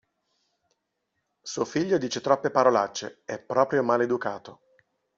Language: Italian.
Suo figlio dice troppe parolacce, è proprio maleducato.